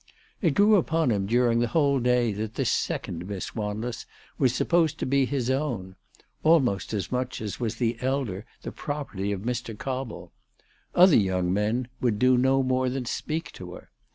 It grew upon him during the whole day that this second Miss Wanless was supposed to be his own, almost as much as was the elder the property of Mr. Cobble. Other young men would do no more than speak to her.